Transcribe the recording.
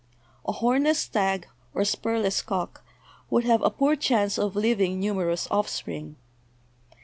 A hornless stag or spurless cock would have a poor chance of leaving numerous offspring.